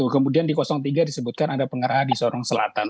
kemudian di tiga disebutkan ada pengera di sorong selatan